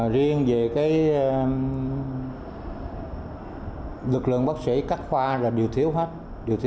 riêng về lực lượng bác sĩ các khoa là đều thiếu hết